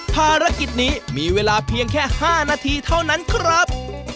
ภารกิจนี้มีเวลาเพียงแค่๕นาทีเท่านั้นครับ